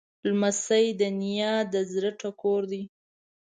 لمسی د نیا د زړه ټکور دی.